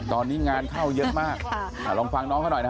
ตอนนี้งานเข้าเยอะมากลองฟังน้องเขาหน่อยนะฮะ